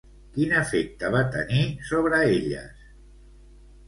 Quin efecte va tenir sobre elles?